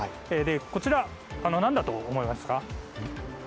こちら、なんだと思いますか。